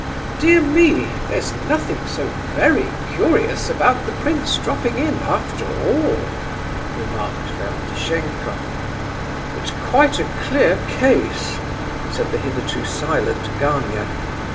"Dear me, there's nothing so very curious about the prince dropping in, after all," remarked Ferdishenko. "It's quite a clear case," said the hitherto silent Gania.